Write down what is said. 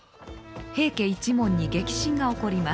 平家一門に激震が起こります。